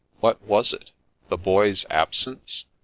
What was it? The Boy's absence?